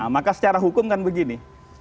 maka secara hukum kan begini